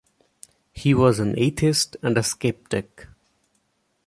He was an atheist and a skeptic.